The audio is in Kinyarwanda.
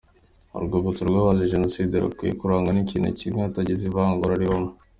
Urwibutso rw’abazize Jenoside rukwiye kurangwa n’ikintu kimwe hatagize ivangura ribamo.